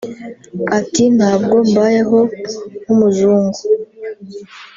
Ati “Ntabwo mbayeho nk’umuzungu